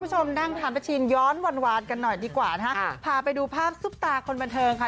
ผู้ชมนั่งธรรมชีนย้อนวันวานกันหน่อยดีกว่านะฮะภาไปดูภาพซุปตาคนบรรเทิงค่ะ